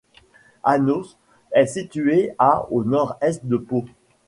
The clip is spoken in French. Anos est située à au nord-est de Pau.